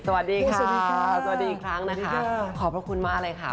สวัสดีค่ะสวัสดีอีงครั้งนะคะขอบบรับคุณมากเลยค่ะ